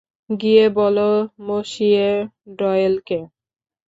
গিয়ে বলো মসিয়ে ডয়েলকে!